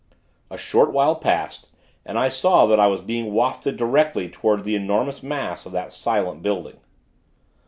A short while passed, and I saw that I was being wafted directly toward the enormous mass of that silent building.